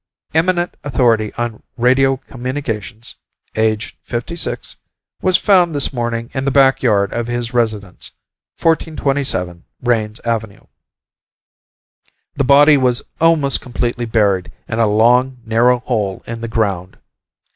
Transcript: eminent authority on Radio Communications, aged 56, was found this morning in the back yard of his residence, 1427 Raines Avenue. The body was almost completely buried in a long narrow hole in the ground.